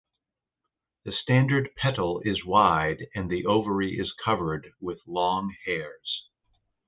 The standard petal is wide and the ovary is covered with long hairs.